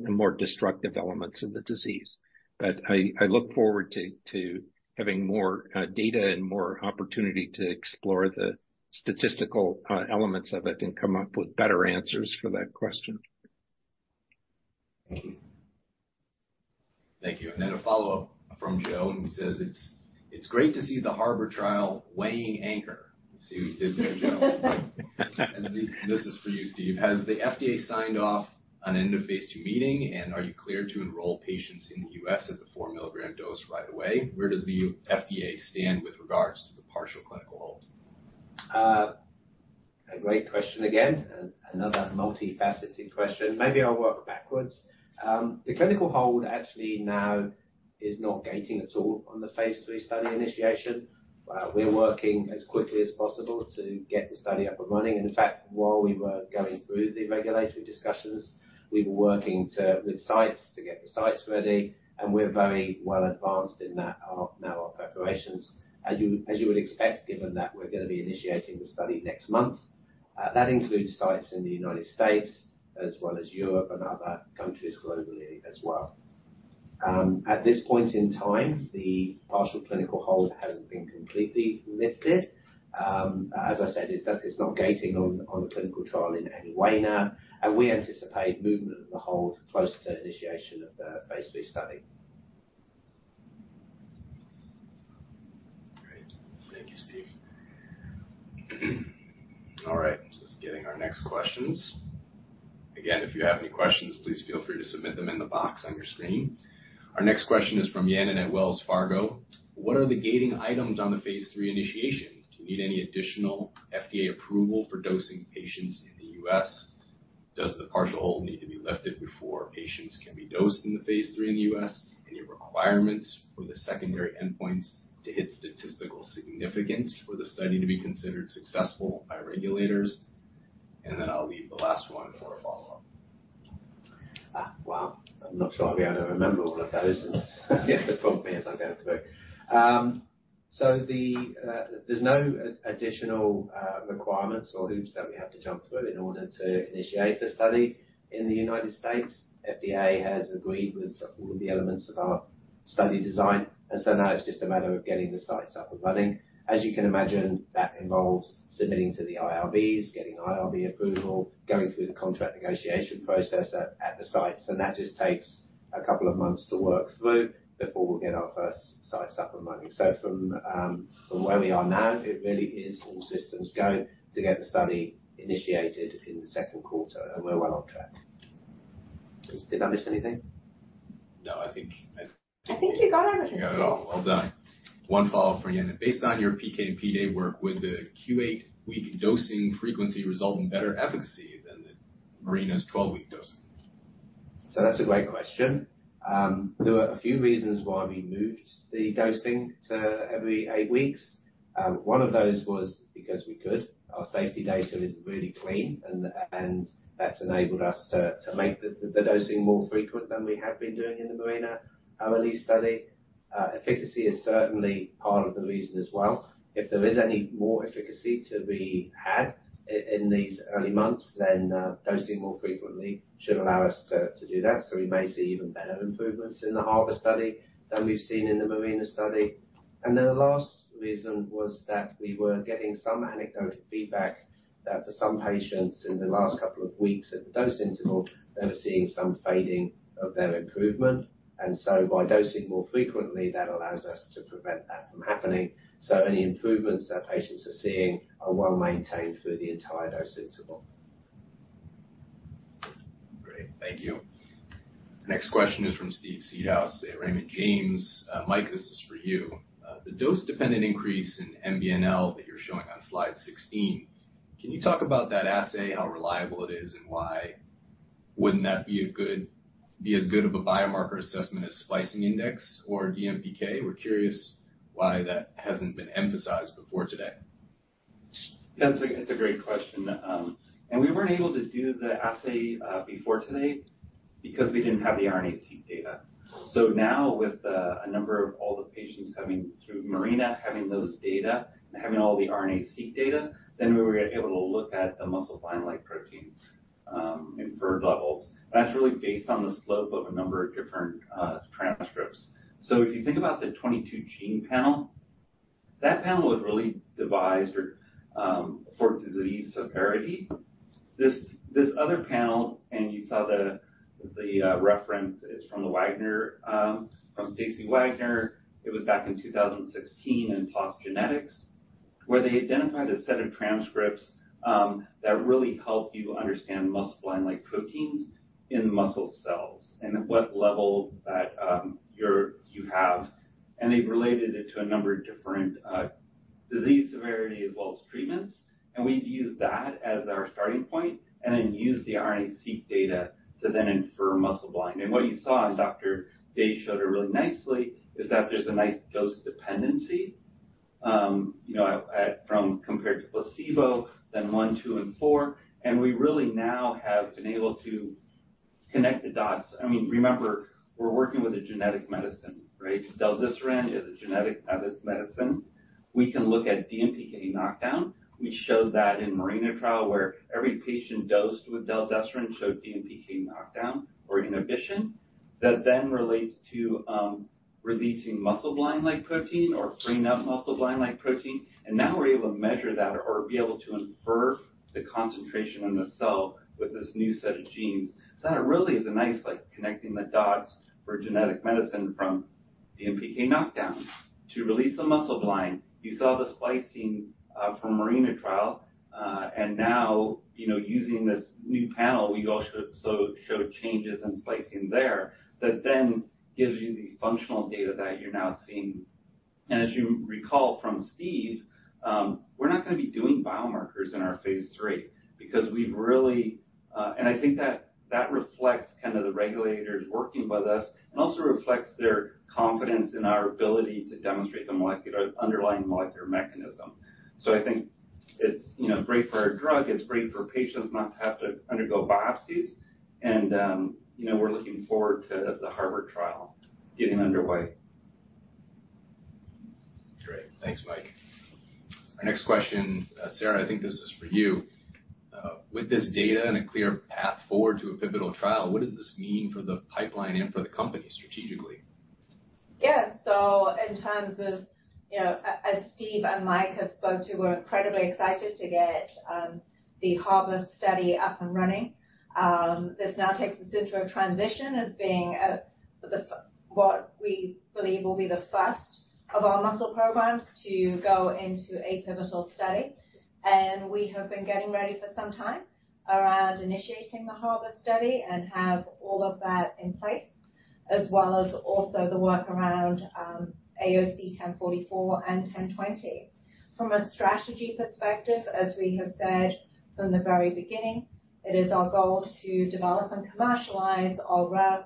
more destructive elements of the disease. But I look forward to having more data and more opportunity to explore the statistical elements of it and come up with better answers for that question. Thank you. Thank you. Then a follow-up from Joe. He says, "It's, it's great to see the HARBOR trial weighing anchor." See what he did there, Joe? This is for you, Steve. "Has the FDA signed off on an end-of-phase 2 meeting? And are you clear to enroll patients in the U.S. at the 4 milligram dose right away? Where does the FDA stand with regards to the partial clinical hold?" A great question again. Another multifaceted question. Maybe I'll work backwards. The clinical hold actually now is not gating at all on the phase 3 study initiation. We're working as quickly as possible to get the study up and running. In fact, while we were going through the regulatory discussions, we were working to with sites to get the sites ready. We're very well advanced in that, now our preparations, as you would expect, given that we're going to be initiating the study next month. That includes sites in the United States as well as Europe and other countries globally as well. At this point in time, the partial clinical hold hasn't been completely lifted. As I said, it's not gating on the clinical trial in any way now. We anticipate movement of the hold close to initiation of the phase 3 study. Great. Thank you, Steve. All right. Just getting our next questions. Again, if you have any questions, please feel free to submit them in the box on your screen. Our next question is from Yanan at Wells Fargo. "What are the gating items on the phase 3 initiation? Do you need any additional FDA approval for dosing patients in the U.S.? Does the partial hold need to be lifted before patients can be dosed in the Phase 3 in the U.S.? Any requirements for the secondary endpoints to hit statistical significance for the study to be considered successful by regulators? Then I'll leave the last one for a follow-up. Wow. I'm not sure I'll be able to remember all of those. Then prompt me as I go through. So, the, there's no additional requirements or hoops that we have to jump through in order to initiate the study in the United States. FDA has agreed with all of the elements of our study design. So now it's just a matter of getting the sites up and running. As you can imagine, that involves submitting to the IRBs, getting IRB approval, going through the contract negotiation process at, at the sites. That just takes a couple of months to work through before we get our first sites up and running. So from where we are now, it really is all systems go to get the study initiated in the second quarter. We're well on track. Did I miss anything? No. I think you got everything. Yeah. Well done. One follow-up for Yanan. "Based on your PK and PD work, would the Q8 week dosing frequency result in better efficacy than the MARINA's 12-week dosing?" So that's a great question. There were a few reasons why we moved the dosing to every 8 weeks. One of those was because we could. Our safety data is really clean. And that's enabled us to make the dosing more frequent than we have been doing in the MARINA early study. Efficacy is certainly part of the reason as well. If there is any more efficacy to be had in these early months, then dosing more frequently should allow us to do that. So we may see even better improvements in the HARBOR study than we've seen in the MARINA study. And then the last reason was that we were getting some anecdotal feedback that for some patients in the last couple of weeks at the dose interval, they were seeing some fading of their improvement. And so by dosing more frequently, that allows us to prevent that from happening. So any improvements that patients are seeing are well maintained through the entire dose interval. Great. Thank you. Next question is from Steve Seedhouse at Raymond James. Mike, this is for you. The dose-dependent increase in MBNL that you're showing on slide 16, can you talk about that assay, how reliable it is, and why? Wouldn't that be as good of a biomarker assessment as splicing index or DMPK? We're curious why that hasn't been emphasized before today. That's a great question. We weren't able to do the assay before today because we didn't have the RNA-seq data. So now with all the patients coming through MARINA having those data and having all the RNA-seq data, then we were able to look at the muscleblind-like protein inferred levels. And that's really based on the slope of a number of different transcripts. So if you think about the 22-gene panel, that panel was really devised for disease severity. This other panel and you saw the reference is from Stacey Wagner. It was back in 2016 in PLOS Genetics, where they identified a set of transcripts that really helped you understand muscleblind-like proteins in muscle cells and at what level that you have. And they've related it to a number of different disease severity as well as treatments. And we've used that as our starting point and then used the RNA-seq data to then infer muscleblind. And what you saw and Dr. Day showed her really nicely is that there's a nice dose dependency, you know, from compared to placebo than 1, 2, and 4. And we really now have been able to connect the dots. I mean, remember, we're working with a genetic medicine, right? Del-desiran is a genetic as a medicine. We can look at DMPK knockdown. We showed that in MARINA trial where every patient dosed with del-desiran showed DMPK knockdown or inhibition that then relates to, releasing muscleblind-like protein or freeing up muscleblind-like protein. Now we're able to measure that or be able to infer the concentration in the cell with this new set of genes. So that really is a nice, like, connecting the dots for genetic medicine from DMPK knockdown to release the muscleblind. You saw the splicing, from MARINA trial, and now, you know, using this new panel, we also showed changes in splicing there that then gives you the functional data that you're now seeing. As you recall from Steve, we're not going to be doing biomarkers in our phase 3 because we've really, and I think that that reflects kind of the regulators working with us and also reflects their confidence in our ability to demonstrate the molecular underlying molecular mechanism. So I think it's, you know, great for our drug. It's great for patients not to have to undergo biopsies. And, you know, we're looking forward to the HARBOR trial getting underway. Great. Thanks, Mike. Our next question, Sarah, I think this is for you. With this data and a clear path forward to a pivotal trial, what does this mean for the pipeline and for the company strategically? Yeah. So in terms of, you know, as Steve and Mike have spoke to, we're incredibly excited to get, the HARBOR study up and running. This now takes the center of transition as being a the what we believe will be the first of our muscle programs to go into a pivotal study. And we have been getting ready for some time around initiating the HARBOR study and have all of that in place as well as also the work around AOC 1044 and AOC 1020. From a strategy perspective, as we have said from the very beginning, it is our goal to develop and commercialize our rare,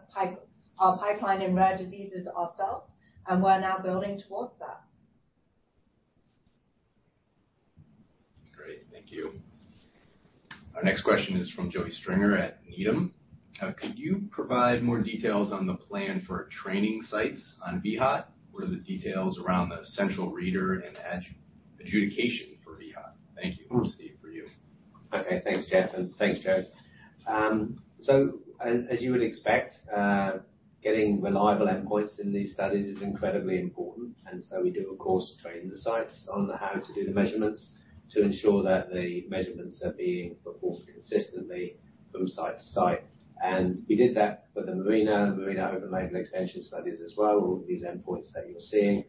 our pipeline in rare diseases ourselves. And we're now building towards that. Great. Thank you. Our next question is from Joey Stringer at Needham. Could you provide more details on the plan for training sites on VHOT? What are the details around the central reader and adjudication for VHOT? Thank you, Steve, for you. Okay. Thanks, Jason. Thanks, Joe. So as you would expect, getting reliable endpoints in these studies is incredibly important. So we do, of course, train the sites on how to do the measurements to ensure that the measurements are being performed consistently from site to site. And we did that for the MARINA and MARINA Open Label Extension studies as well, all these endpoints that you're seeing.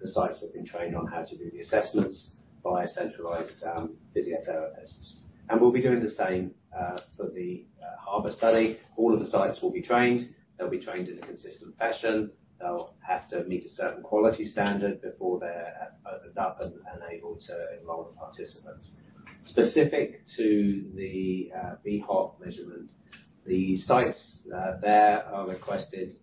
The sites have been trained on how to do the assessments via centralized physiotherapists. And we'll be doing the same for the HARBOR study. All of the sites will be trained. They'll be trained in a consistent fashion. They'll have to meet a certain quality standard before they're opened up and able to enroll the participants. Specific to the VHOT measurement, the sites there are requested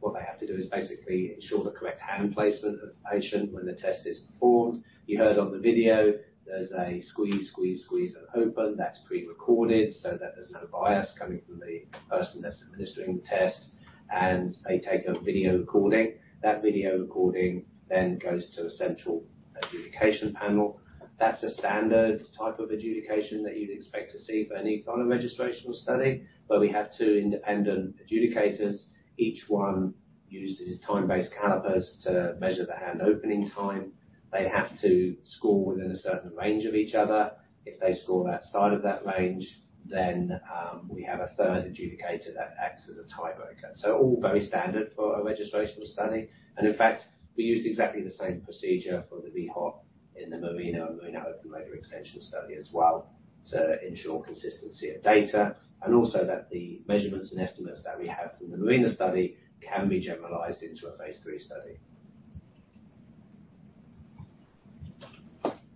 what they have to do is basically ensure the correct hand placement of the patient when the test is performed. You heard on the video, there's a squeeze, squeeze, squeeze and open. That's prerecorded so that there's no bias coming from the person that's administering the test. And they take a video recording. That video recording then goes to a central adjudication panel. That's a standard type of adjudication that you'd expect to see for any kind of registrational study where we have two independent adjudicators. Each one uses time-based calipers to measure the hand opening time. They have to score within a certain range of each other. If they score outside of that range, then, we have a third adjudicator that acts as a tiebreaker. So all very standard for a registrational study. And in fact, we used exactly the same procedure for the VHOT in the MARINA and MARINA Open Label Extension study as well to ensure consistency of data and also that the measurements and estimates that we have from the MARINA study can be generalized into a phase 3 study.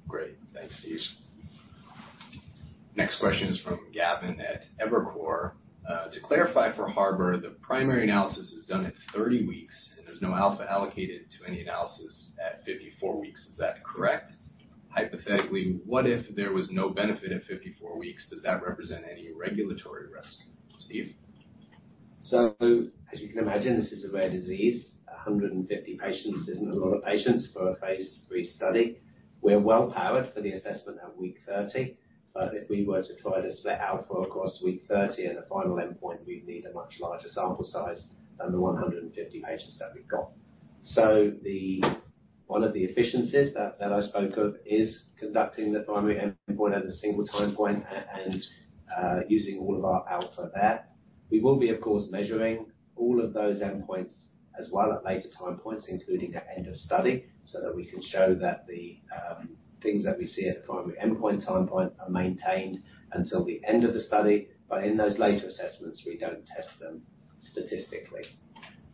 Great. Thanks, Steve. Next question is from Gavin at Evercore. To clarify for HARBOR, the primary analysis is done at 30 weeks, and there's no alpha allocated to any analysis at 54 weeks. Is that correct? Hypothetically, what if there was no benefit at 54 weeks? Does that represent any regulatory risk, Steve? So as you can imagine, this is a rare disease. 150 patients isn't a lot of patients for a phase 3 study. We're well powered for the assessment at week 30. But if we were to try to split alpha across week 30 at a final endpoint, we'd need a much larger sample size than the 150 patients that we've got. So one of the efficiencies that I spoke of is conducting the primary endpoint at a single time point and using all of our alpha there. We will be, of course, measuring all of those endpoints as well at later time points, including at end of study, so that we can show that the things that we see at the primary endpoint time point are maintained until the end of the study. But in those later assessments, we don't test them statistically.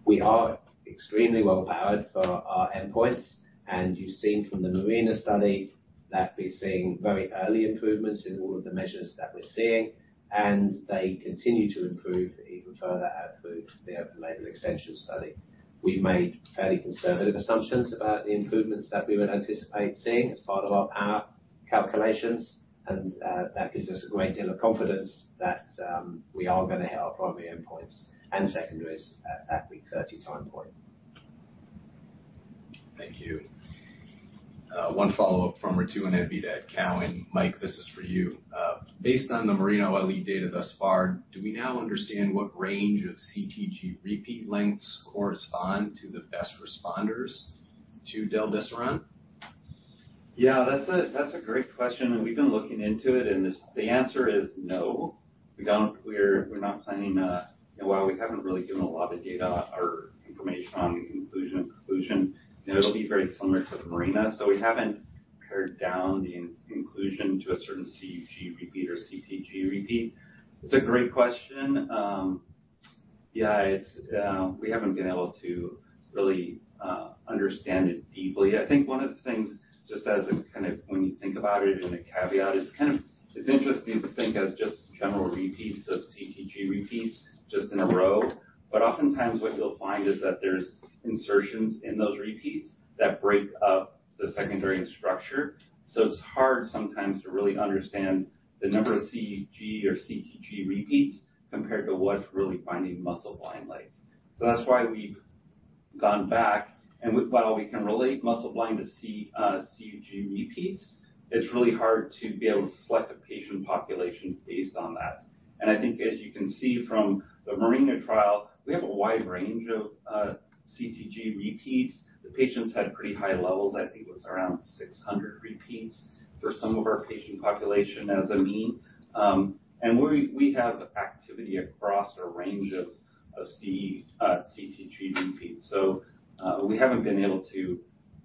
We are extremely well powered for our endpoints. And you've seen from the MARINA study that we're seeing very early improvements in all of the measures that we're seeing. And they continue to improve even further out through the Open Label Extension study. We've made fairly conservative assumptions about the improvements that we would anticipate seeing as part of our power calculations. And, that gives us a great deal of confidence that, we are going to hit our primary endpoints and secondaries at that week 30 time point. Thank you. One follow-up from Ritu and Anvita from TD Cowen. Mike, this is for you. Based on the MARINA-OLE data thus far, do we now understand what range of CTG repeat lengths correspond to the best responders to del-desiran? Yeah. That's a that's a great question. And we've been looking into it. And the answer is no. We don't, we're not planning, you know, while we haven't really given a lot of data or information on inclusion and exclusion, you know, it'll be very similar to the MARINA. So we haven't pared down the inclusion to a certain CUG repeat or CTG repeat. It's a great question. Yeah, it's we haven't been able to really understand it deeply. I think one of the things just as a kind of when you think about it and a caveat, it's kind of interesting to think as just general repeats of CTG repeats just in a row. But oftentimes, what you'll find is that there's insertions in those repeats that break up the secondary structure. So it's hard sometimes to really understand the number of CUG or CTG repeats compared to what's really binding muscleblind-like. So that's why we've gone back. While we can relate muscleblind to CUG repeats, it's really hard to be able to select a patient population based on that. And I think, as you can see from the MARINA trial, we have a wide range of CTG repeats. The patients had pretty high levels. I think it was around 600 repeats for some of our patient population as a mean. And we have activity across a range of CTG repeats. So, we haven't been able to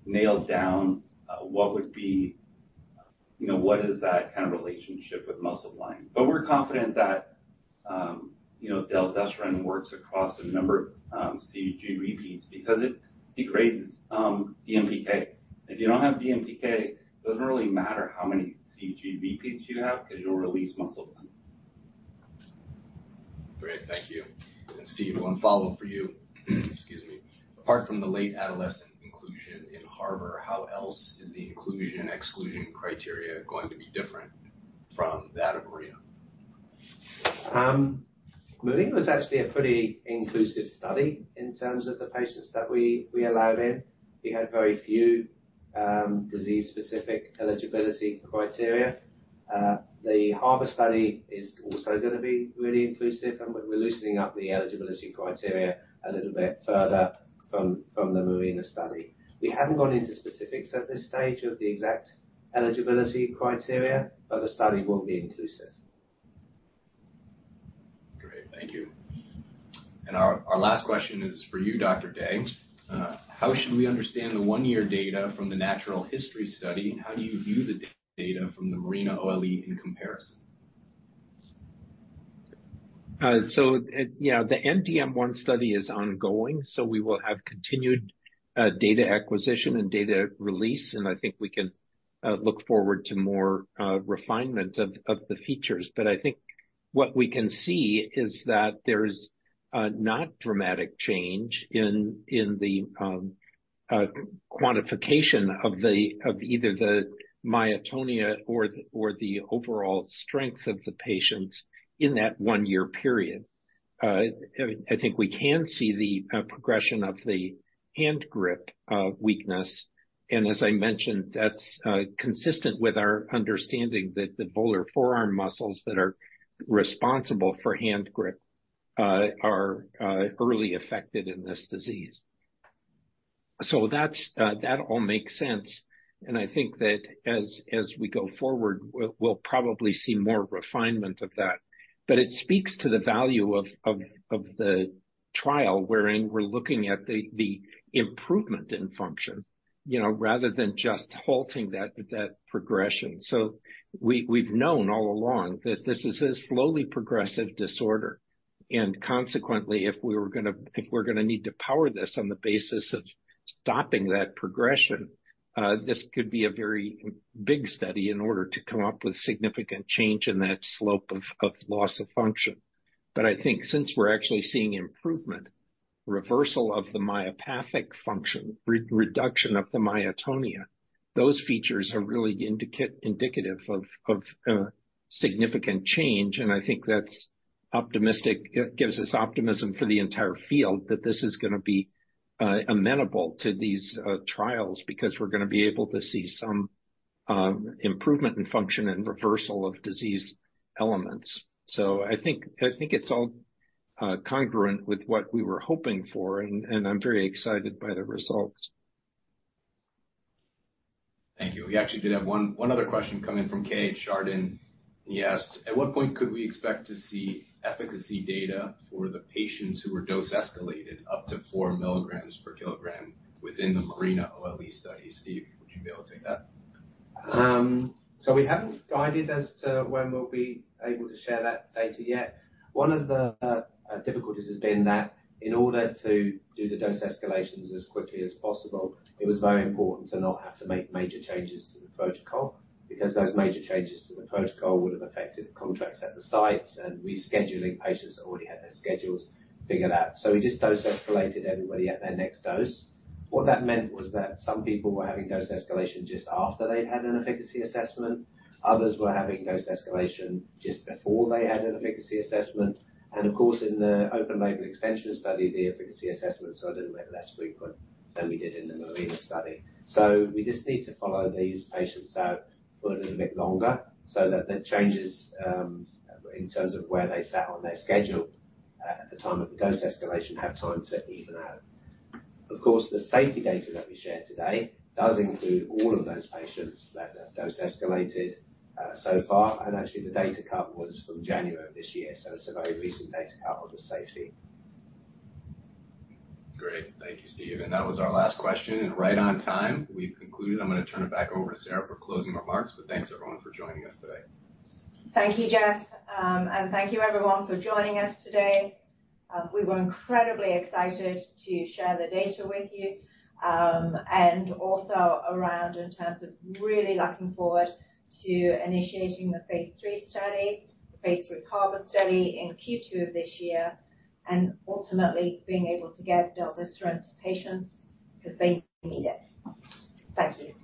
nail down what would be you know, what is that kind of relationship with muscleblind? But we're confident that, you know, del-desiran works across a number of CUG repeats because it degrades DMPK. If you don't have DMPK, it doesn't really matter how many CUG repeats you have because you'll release muscleblind. Great. Thank you. And Steve, one follow-up for you. Excuse me. Apart from the late adolescent inclusion in HARBOR, how else is the inclusion and exclusion criteria going to be different from that of MARINA? MARINA was actually a pretty inclusive study in terms of the patients that we, we allowed in. We had very few, disease-specific eligibility criteria. The HARBOR study is also going to be really inclusive. And we're loosening up the eligibility criteria a little bit further from, from the MARINA study. We haven't gone into specifics at this stage of the exact eligibility criteria, but the study will be inclusive. Great. Thank you. And our, our last question is for you, Dr. Day. How should we understand the one-year data from the natural history study? How do you view the data from the MARINA-OLE in comparison? So it, it you know, the END-DM1 study is ongoing. So we will have continued, data acquisition and data release. I think we can look forward to more refinement of the features. But I think what we can see is that there's not dramatic change in the quantification of either the myotonia or the overall strength of the patients in that one-year period. I think we can see the progression of the hand grip weakness. And as I mentioned, that's consistent with our understanding that the volar forearm muscles that are responsible for hand grip are early affected in this disease. So that all makes sense. And I think that as we go forward, we'll probably see more refinement of that. But it speaks to the value of the trial wherein we're looking at the improvement in function, you know, rather than just halting that progression. So we've known all along this is a slowly progressive disorder. And consequently, if we're going to need to power this on the basis of stopping that progression, this could be a very big study in order to come up with significant change in that slope of loss of function. But I think since we're actually seeing improvement, reversal of the myopathic function, reduction of the myotonia, those features are really indicative of significant change. And I think that's optimistic. It gives us optimism for the entire field that this is going to be amenable to these trials because we're going to be able to see some improvement in function and reversal of disease elements. So I think it's all congruent with what we were hoping for. And I'm very excited by the results. Thank you. We actually did have one other question coming from Keay at Chardan. And he asked, "At what point could we expect to see efficacy data for the patients who were dose escalated up to 4 mg per kg within the MARINA-OLE study?" Steve, would you be able to take that? So we haven't guided as to when we'll be able to share that data yet. One of the difficulties has been that in order to do the dose escalations as quickly as possible, it was very important to not have to make major changes to the protocol because those major changes to the protocol would have affected the contracts at the sites and rescheduling patients that already had their schedules figured out. So we just dose escalated everybody at their next dose. What that meant was that some people were having dose escalation just after they'd had an efficacy assessment. Others were having dose escalation just before they had an efficacy assessment. And of course, in the Open Label Extension study, the efficacy assessments are a little bit less frequent than we did in the Marina study. So we just need to follow these patients out for a little bit longer so that the changes, in terms of where they sat on their schedule, at the time of the dose escalation have time to even out. Of course, the safety data that we share today does include all of those patients that have dose escalated, so far. And actually, the data cut was from January of this year. So it's a very recent data cut on the safety. Great. Thank you, Steve. And that was our last question. Right on time, we've concluded. I'm going to turn it back over to Sarah for closing remarks. But thanks, everyone, for joining us today. Thank you, Jeff. And thank you, everyone, for joining us today. We were incredibly excited to share the data with you, and also around in terms of really looking forward to initiating the phase three study, the phase three HARBOR study in Q2 of this year, and ultimately being able to get del-desiran to patients because they need it. Thank you.